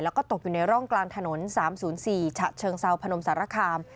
แล้วก็ตกอยู่ในร่องกลางถนน๓๐๔ฉะเชิงเซาพนมสารคาม